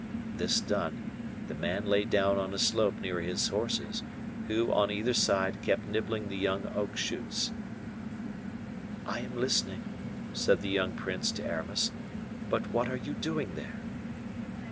This done, the man lay down on a slope near his horses, who, on either side, kept nibbling the young oak shoots. "I am listening," said the young prince to Aramis; "but what are you doing there?"